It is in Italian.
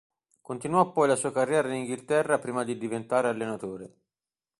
Continuò poi la sua carriera in Inghilterra prima di diventare allenatore.